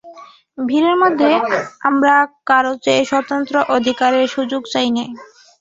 ভিড়ের মধ্যে আমরা কারও চেয়ে স্বতন্ত্র অধিকারের সুযোগ চাই নে।